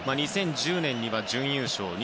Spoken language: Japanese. ２０１０年には準優勝